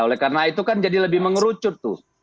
oleh karena itu kan jadi lebih mengerucut tuh